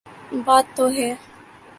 بات تو ہے۔